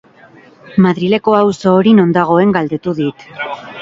Madrileko auzo hori non dagoen galdetu dit.